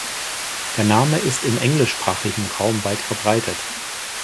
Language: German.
Der Name ist im englischsprachigen Raum weit verbreitet.